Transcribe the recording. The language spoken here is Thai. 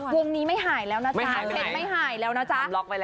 กวงนี้ไม่หายแล้วนะจ๊ะ